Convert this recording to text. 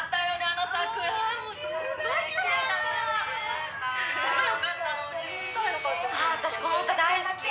「あっ私この歌大好き」